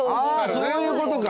そういうことか。